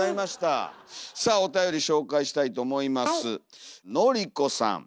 さあおたより紹介したいと思います。